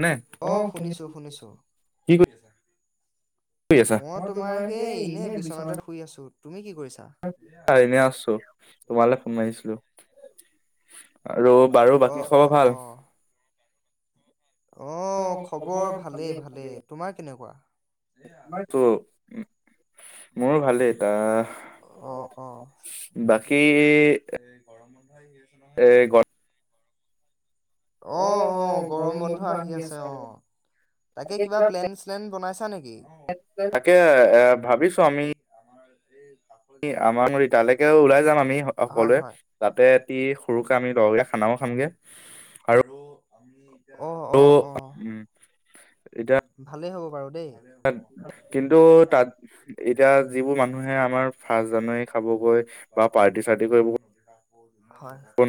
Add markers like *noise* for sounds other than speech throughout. নে অ', শুনিছো শুনিছো। মই তোমাৰ সেই এনেই বিচনাতে শুই আছোঁ, তুমি কি কৰিছা? এনে আছোঁ তোমালে ফোন মাৰিছিলো। অ', অ', অ'। অ', খবৰ ভালেই ভালেই, তোমাৰ কেনেকুৱা? তো ভাল অ', অ', বাকী গৰম বন্ধ আহি আছে নহ এই গ অ', অ', গৰম বন্ধ আহি আছে অহ। তাকে কিবা প্লেন চ্লেন বনাইছা নেকি? তাকে এ ভাবিছো আমি আমাৰ এই এ আমাৰ *unintelligible* তালৈকে ওলাই যাম আমি সকলোৱে। তাতে এতি সৰুকে আমি লগকে খানাও খামগে। আৰু আমি অ', অ', অ'। ভালেই হ'ব বাৰু দেই। তে হ'ব কিন্তু তাত এতিয়া যিবোৰ মানুহে আমাৰ ফাৰ্ষ্ট জানুৱাৰী খাবগৈ। বা পাৰ্টি চাৰ্তি *unintelligible*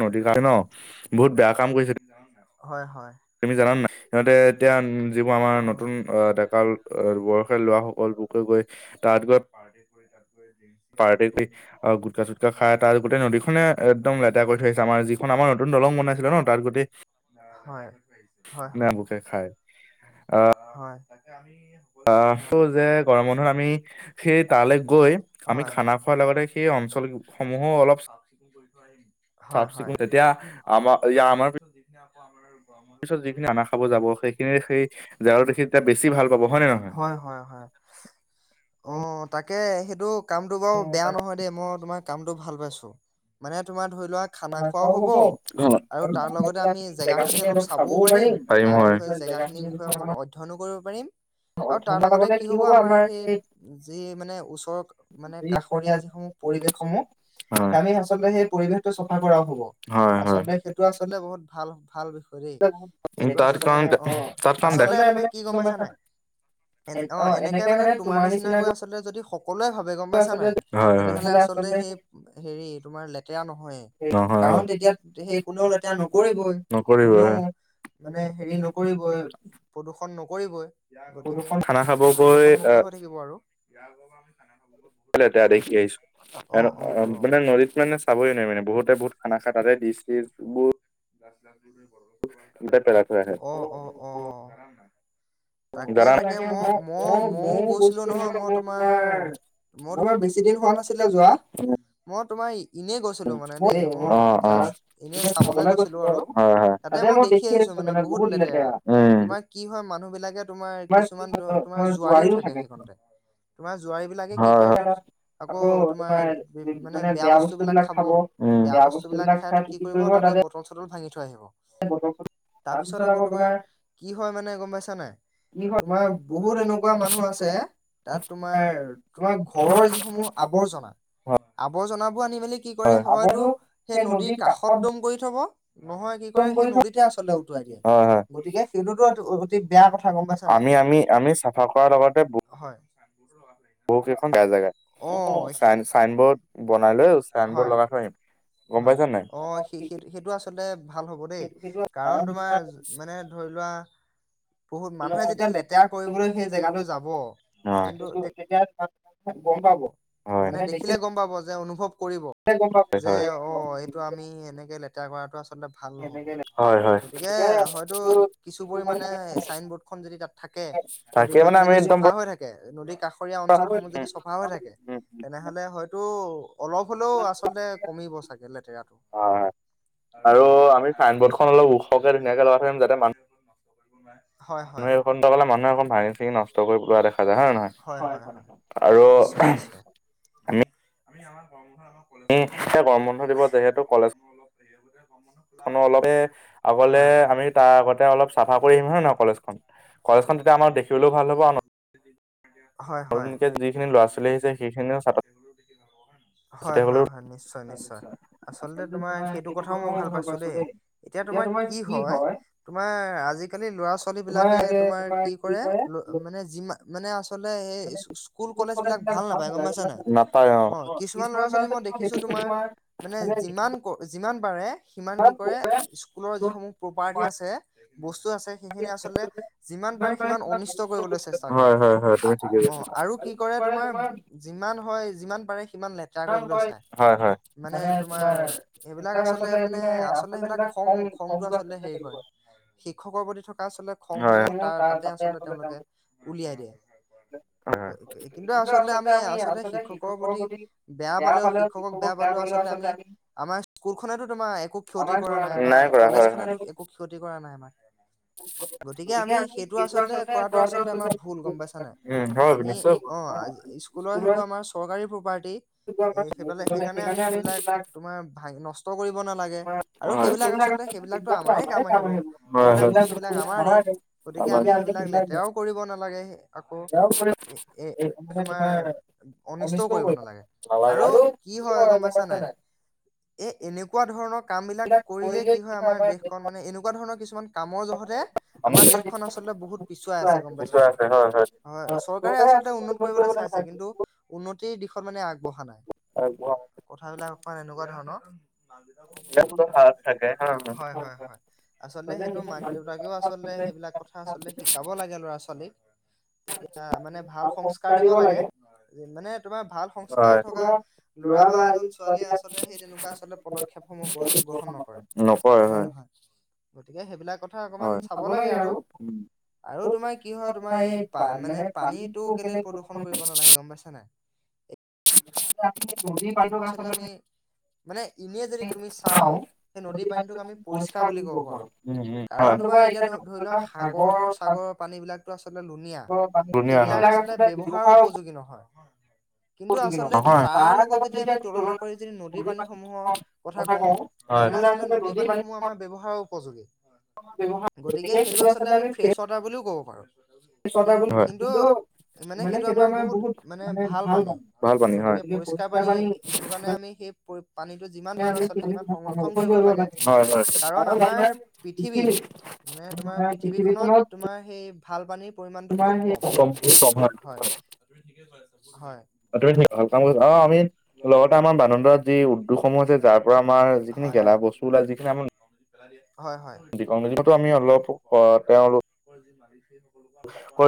ন' *unintelligible* বহুত বেয়া কাম কৰিছে। জানান নাই। হয়, হয়। তুমি জানা নাই সিহঁতে এতিয়া প আমাৰ নতুন ডেকা বয়সীয়া ল'ৰাসকল বয়সীয়া গৈ তাত গৈ পাৰ্টি কৰি তাত গৈ দি পাৰ্টি কৰি অ', গুটকা চুটকা খাই তাত গোটেই নদী খনে একদম লেতেৰা কৰি থৈ আছে আমাৰ যি খম আমাৰ নতুন দলং বনাই আছিলে ন' তাত গোটেই হয়, হয়। ন বুকে খায়। অঁ, হয় তাকে আমি- *inaudible* *inaudible* এতিয়া আকৌ আপোনাৰ - ত পিছত যিখিনি অনা খাব যাব সেইখিনি সেই জাৰৰ দেখি এতিয়া বেছি ভাল পাব হয়নে, নহয়? নহয়। অঁ, তাকে সেইটো কামটো বাৰু বেয়া নহয় দেই। মই তোমাক- কামতটো ভাল পাইছো। মানে তুমি ধৰি লোৱা- খানা খোৱাও হ'ব আৰু তাৰ লগতে আমি জেগাখিনি অলপ চাবও পাৰিম- তাৰ বিষয়ে জেগাখিনিৰ বিষয়ে অকণমান অধ্যয়নো কৰিব পাৰিম- আৰু লগতে কি হব আমাৰ সেই যি মানে ওচৰৰ কাষৰীয়া যিসমূহ- পৰিৱেশসমূহ- আমি আচলতে সেই পৰিৱেশটো চফা কৰাও হব! আচলতে সেইটো আচলতে বহুত ভাল ভাল- সেইটো আচলতে অঁ, আচলতে মানে কি গম পাইছা নাই? এই অঁ, এনেকে মানে তোমাৰ নিচিনাকৈ আচলতে যদি সকলোৱে ভাবে, গম পাইছা নাই? তেনেহলে আচলতে সেই হেৰি তোমাৰ লেতেৰা নহয়! কাৰণ তেতিয়া সেই কোনেও লেতেৰা নকৰিবই, কোনেও- মানে হেৰি নকৰিবই- প্ৰদূ্ষণ নকৰিবই! গতিকে প্ৰদূ্ষণমুক্ত হৈ থাকিব আৰু। *inaudible* লেতেৰা দেখি আহিছো মানে নদীত মানে চাবই নাই মানে বহুতে বহুত- *inaudible* অঁ, অঁ, অঁ। তাকে তাকে মওঁ মওঁ ময়ো গৈছিলো নহয় মই তোমাৰ- মই তোমাৰ বেছি দিন হোৱা নাছিলে যোৱা। মই তোমাৰ- এনেই গৈছিলো মানে দেই মই জাষ্ট এনে চাবলৈ গৈছিলো আৰু। তাতে মই দেখি আহিছো মানে বহুত লেতেৰা। তোমাৰ কি হয়, মানুহ বিলাকে তোমাৰ কিছুমান তোমাৰ জুৱাৰীও থাকে সিহঁত। তোমাৰ জুৱাৰী বিলাকে কি কৰে তাত- আকৌ তোমাৰ মানে বেয়া বস্তু বিলাক খাব, বেয়া বস্তু বিলাক খাই তো কি কৰিব তাতে বটল - চটল ভাঙি থৈ আহিব। তাৰ পিছত আকৌ তোমাৰ কি হয় মানে গম পাইছা নাই? তোমাৰ বহুত এনেকুৱা মানুহ আছে, তাত তোমাৰ তোমাৰ ঘৰৰ যিসমূহ- আৱৰ্জনা- আৱৰ্জনাবোৰ আনি মেলি কি কৰে, হয়তো সেই নদীৰ কাষত দম কৰি থব- নহয় কি কৰে সেই নদীতে আচলতে উটুৱাই দিয়ে। গতিকে- বেয়া কথা। আমি আমি আমি চাফা কৰাৰ লগতে- হয়। অঁ, হয়। হয়। অঁ, সেই সেইটো আচলতে ভাল হ'ব দেই। কাৰণ তোমাৰ মানে - ধৰি লোৱা- *inaudible* *inaudible* মানে দেখিলে গম পাব যে অনুভৱ কৰিব যে অঁ- এইটো আমি এনেকে লেতেৰা কৰাটো আচলতে- *unintelligible* ভাল নহ'ব গতিকে হয়তো কিছু পৰিমাণে চাইন ব'ৰ্ডখন যদি থাকে নদীখন যদি চফা হৈ থাকে, নদী কাষৰীয়া অঞ্চলসমূহ যদি চফা হৈ থাকে তেনেহ'লে হয়তো অলপ হ'লেও আচলতে কমিব চাগে লেতেৰাটো। আৰু আমি চাইনব'ৰ্ডখন অলপ ওখ *unintelligible* হয়। মানে এই সন্তকালে মানুহেকণ ভাঙি চিঙি নষ্ট কৰি পেলোৱা দেখা যায়, হয় হয় নহয়? হয়, নিশ্চয় নিশ্চয়। আমি আমি আমাৰ *unintelligible* আমাৰ কলেজো এতিয়া গৰম বন্ধ দিব যিহেতু কলেজখনো অলপ *unintelligible* খন অলপহে আগলে আমি তাৰ আগতে অলপ চাফা কৰি আহিম হয় নহয় কলেজখন। কলেজখন তেতিয়া আমাৰ দেখিবলৈও ভাল হ'ব *unintelligible* হয়। নতুনকে যিখিনি ল'ৰা ছোৱালী আহিছে সেইখিনিও হয় হয় হয়, নিশ্চয় নিশ্চয়। আচলতে তোমাৰ সেইটো কথাও মই ভাল পাইছোঁ দেই। এতিয়া তোমাৰ কি হয় তোমাৰ আজিকালি ল'ৰা ছোৱালীবিলাকে তোমাৰ কি কৰে মানে যিমা মানে আচলতে সেই স্কুল কলেজবিলাক ভাল নাপায় গম পা অ' কিছুমান ল'ৰা ছোৱালী মই দেখিছোঁ তোমাৰ মানে যিমান ক যিমান বাৰে সিমান কি কৰে স্কুলৰ যিসমূহ প্ৰপাৰ্টি আছে, বস্তু আছে সেইখিনি আচলতে যিমান পাৰে সিমান অনিষ্ট কৰিবলৈ চেষ্টা কৰে, অ' আৰু কি কৰে তোমাৰ যিমান হয় যিমান পাৰে সিমান লেট তেৰা কৰিবলৈ চাই, মানে তোমাৰ এইবিলাক আচলতে মানে আচলতে সেইবিলাক খং খংটো আচলতে হেৰি কৰে। শিক্ষকৰ প্ৰতি থকা আচলতে খংসমূহ ত-তাতে আচলতে তেওঁলোকে উলিয়াই দিয়ে কিন্তু আচল আমি আচলতে শিক্ষকৰ প্ৰতি বেয়া পালেও, শিক্ষকক বেয়া পালেও আচলতে আমি আমাৰ স্কুলখনে তোমাৰ একো ক্ষতি কৰা নাই বা কলেজখনেতো একো ক্ষতি কৰা নাই আমাক। গতিকে আমি সেইটো আচলতে কৰাটো আচলতে আমাৰ ভুল গম পাইছানে, আমি অ' স্কুলৰ সেইবোৰ আমাৰ চৰকাৰী প্ৰপাৰ্টি এ, সেইফালে সেইকাৰণে আমি তোমাৰ ভা নষ্ট কৰিব নালাগে। আৰু সেইবিলাক আচলতে সেইবিলাকো আমাৰেই কাম আহিব, সেইবিলাক বস্তুবিলাক আমাৰেই। গতিকে আমি সেইবিলাক লেতেৰাও কৰিব নালাগে আকৌ। এ, এ তোমাৰ অনিষ্টও কৰিব নালাগে আৰু কি হয় গম পাইছা নাই এ, এনেকুৱা ধৰণৰ কামবিলাক কৰিলে কি হয় আমাৰ দেশখন মানে এনেকুৱা ধৰণৰ কিছুমান কামৰ জহতে আমাৰ দেশখন আচলতে বহুত পিছুৱাই আছে গম পাইছা নাই। হয়, চৰকাৰে আচলতে উন্নত কৰিব চাইছে কিন্তু উন্নতিৰ দিশত মানে আগবঢ়া নাই। কথাবিলাক অকমান এনেকুৱা ধৰণৰ। হয় হয় হয়, আচলতে সেইটো মাক দেউতাকেও আচলতে সেইবিলাক কথা আচলতে শিকাব লাগে ল'ৰা ছোৱালীক, তেতিয়া মানে ভাল সং কাৰ দিব লাগে মানে তোমাৰ ভাল সংস্কাৰ থকা ল'ৰা বা এজন ছোৱালীয়ে আচলতে সেই তেনেকুৱা আচলতে পদক্ষেপসমূহ গ্ৰ-গ্ৰহণ নকৰে। নকৰে হয়। গতিকে সেইবিলাক কথা অকমান চাব লাগে আৰু। আৰু তোমাৰ কি হয় তোমাৰ এই পা মানে পানীটো কেলে প্ৰদূষণ কৰিব নালাগে গম পাইছা নাই। *unintelligible* মানে এনে যদি তুমি চাওঁ সেই নদীৰ পানীটোক আমি পৰিষ্কাৰ বুলি ক'ব পাৰোঁ। কাৰণ তোমাৰ এতিয়া ধৰি লোৱা সাগৰ চাগৰৰ পানী বিলাকতো আচলতে লুনীয়া। সেইবিলাক আচলতে ব্যৱহাৰৰ উপযোগী নহয় কিন্তু আচলতে তাৰ লগত আমি তুলনা কৰি যদি নদী পানীসমূহৰ কথা কওঁ তেনেহলে আচলতে নদীৰ পানীসমূহ আমাৰ ব্যৱহাৰৰ উপযোগী গতিকে সেইটো আচলতে আমি ফ্ৰেছ ওৱাটাৰ বুলিও ক'ব পাৰোঁ। কিন্তু কিন্তু মানে সেইটো আমাৰ বহুত মানে ভাল পানী গতিকে পৰিষ্কাৰ পানী সেইটো কাৰণে আমি স পানীটো যিমান পাৰো আচলতে সিমান সংৰক্ষণ কৰিব লাগে কাৰণ আমাৰ পৃথিৱীত মানে তোমাৰ পৃথিৱীখনত তোমাৰ সেই ভাল পানীৰ পৰিমণটো খুব কম হয় হয় অ আমি লগতে আমাৰ যি আছে যাৰ পৰা আমাৰ আহা বস্তু ও যি আমি হয় হয় স দুতো আমি অলপ তেওঁলোকৰ যি মালিক সেই ক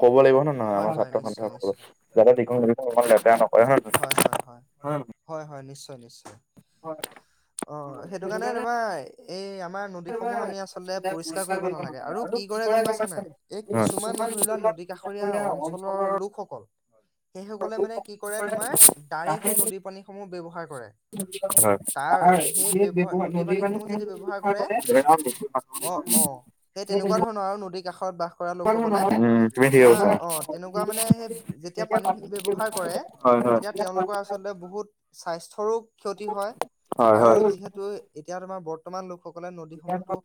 ক'ব লাগিব নয় নহয় আমাৰ ছাত্ৰ সন্থা সকল যাতে দেখোনখমান লেতেৰা নকৰে হয় হয় নিশ্চয় নিশ্চয় অ সেইটো কাৰণে তোমাৰ এই আমাৰ নদীসমুহ আমি আচলতে পৰিষ্কাৰ কৰিব নালাগে আৰু কি কৰে গম পাইছ নে এই কিছুমান ধৰি লোৱা নদী কাষৰীয়া অঞ্চলৰ লোকসকল সেইসকলে মানে কি কৰে তোমাৰ নদীৰ পানীসমুহ ব্যৱহাৰ কৰে তাৰ সেই ব্যৱহাৰ নদীৰ পানী সমূহ যদি ব্যৱহাৰ কৰে অ অ সেই তেনেকুৱা ধৰণৰ আৰু নদীৰ কাষত বা বাস কৰা লোকসকলে তোমাৰ অ তেনেকুৱা মানে সেই যেতিয়া পানী খিনি ব্যৱহাৰ কৰে তেতিয়া তেওঁলোকৰ আচলতে বহুত স্বাস্থ্যৰো ক্ষতি হয় আৰু যিহেতু এতিয়া তোমাৰ বৰ্তমান লোকসকলে নদীসমূহতো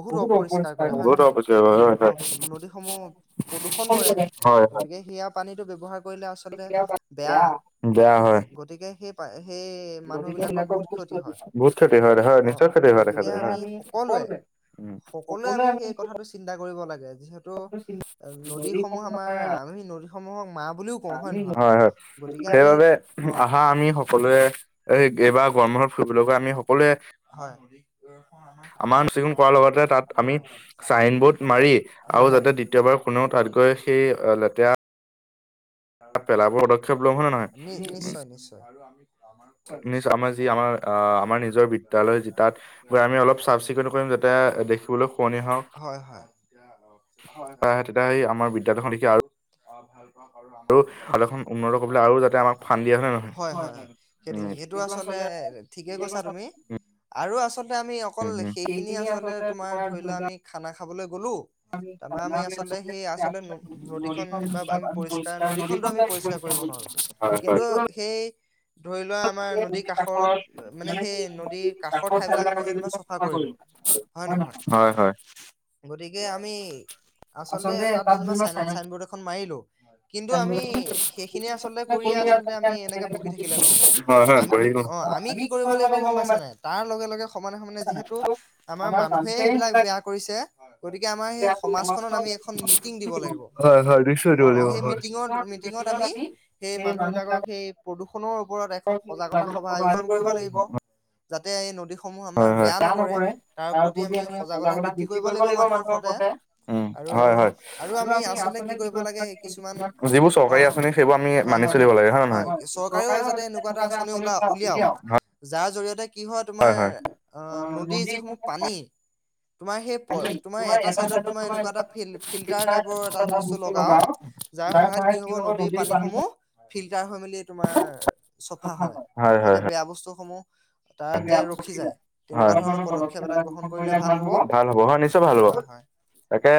বহুত অপৰিষ্কাৰ কৰে হয় নহয় নদীসমূহ প্ৰদূষণ কৰে গতিকে সেয়া পানীটো ব্যৱহাৰ কৰিলে আচলতে বেয়া বেয়া হয় গতিকে সেই মানুহ বিলাকৰ বহুত ক্ষতি হয় অ গতিকে আমি সকলোৱে সকলোৱে আমি সেই কথাটো চিন্তা কৰিব লাগে যিহেতু নদীসমূহ আমাৰ আমি নদীসমূহক মা বুলিও হয় হয় সেইবাবে আহা আমি সকলোৱে এ এইবাৰ গৰমত ফুৰিবলৈ গৈ আমি সকলোৱে হয়ফোৱাৰ চ *unintelligible* পাৰি আৰু যাতে দ্বিতীয় বাৰ কোনো তাত গৈ সেই লেতেৰা নিশ্চয় নিশ্চয় আৰু যি আমাৰ আমাৰ নিজৰ বিদ্যালয় তাত গৈ আমি অলপ চাফ চিকুণা কৰিম যাতে দেখিবলৈ শুৱনি হওঁক হয় হয় এতিয়া বিদালয় এতিয়া আৰু অ ভাল পাওঁ হয় হয় হয় সেইটো সেইটো আচলতে ঠিকেই কৈছা তুমি আৰু আচলতে আমি অকল সেইখিনি আচলতে তোমাৰ ধৰি লোৱা আমি খানা খাবলৈ গ'লো তাৰ পৰা আমি আচলতে সেই আচলতে নদী খন বা আমি পৰিষ্কাৰ নী খনটো আমি পৰিষ্কাৰ কৰিব নোৱাৰো কিন্তু সেই ধৰি লোৱা, আমাৰ নদীৰ কাষৰত মানে সেই নদীৰ কাষৰ ঠাই বিলাক আমি জানিবা চফা কৰিলো। হয়- হয়। গতিকে, আমি আচলতে তাত যেনিবা চাই চাইনবৰ্ড এখন মাৰিলো। কিন্তু আমি সেইখিনি আচলতে কৰিয়ে, আচলতে আমি এনেকে বহি থাকিলে নহব। আমি অ, আমি কি কৰিব লাগিব গম পাইছা নাই? তাৰ লগে- লগে, সমানে- সমানে, যিহেতু আমাৰ মানুহে সেইবিলাক বেয়া কৰিছে। গতিকে, আমাৰ সেই সমাজখনত আমি এখন মিটিং দিব লাগিব। অ, সেই মিত মিটিংত আমি সেই মানুহ বিলাকক সেই প্ৰদূৰ্ষণ প্ৰদূৰ্ষণৰ ওপৰত এখন সজাগতা সভা আয়োজন কৰিব লাগিব। যাতে এই নদীসমূহ আমাৰ বেয়া নকৰে। তাৰ প্ৰতি আমি সজাগতা বৃদ্ধি কৰিব লাগিব মানুহৰ সতে। আৰু আমি আচলতে কি কৰিব লাগে কিছুমান অ, হয়- হয়- হয়, চৰকাৰেও যাতে এনেকুৱা এটা আঁচনি উলিয়াওক। যাৰ জৰিয়তে কি হয়, তোমাৰ আহ, নদীৰ যিসমূহ পানী তোমাৰ সেই প, তোমাৰ এটা ছাইডত তোমাৰ এনেকুৱা ফিল্টাৰ টাইপৰ এটা বস্তু লগাওক যাৰ সহায়ত কি হ'ব নদীৰ পানীসমূহ ফিল্টাৰ হৈ মেলি তোমাৰ চফা হয়, যাতে বেয়া বস্তু সমূহ হয়, ভাল হব। হয়, নিশ্চয় ভাল হব। তাকে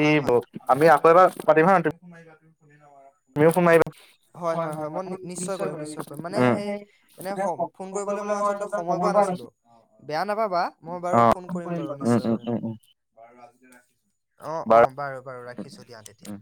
হয়, হয়। আমি আকৌ এবাৰ পাতিম হা *inaudible* *unintelligible* তুমিও ফোন মাৰিবা। হয়-হয়-হয়, মই নিশ্চয় কৰিম, নিশ্চয় কৰিম, মানে সেই এনে ফোন কৰিবলৈ মই আচলতে সময় পোৱা নাছিলো। বেয়া নাপাবা, মই বাৰু ফোন কৰিম বাৰু নিশ্চয় কৰিম। অ, অ, বাৰু- বাৰু ৰাখিছোঁ, দিয়া তেতিয়া।